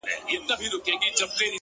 گراني شاعري دغه واوره ته ـ